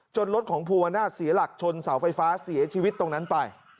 จนรถของผู้บรรดาศีลักษณ์ชนเสาไฟฟ้าเสียชีวิตตรงนั้นไป